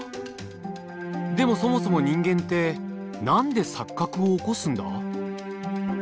でもそもそも人間って何で錯覚を起こすんだ？